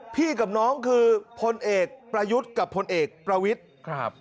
พี่กับน้องคือพลเอกประยุทธ์กับพลเอกประวิทธิ์ครับ